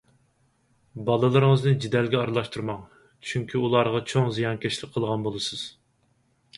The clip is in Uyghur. بالىلىرىڭىزنى جېدەلگە ئارىلاشتۇرماڭ! چۈنكى، ئۇلارغا چوڭ زىيانكەشلىك قىلغان بولىسىز.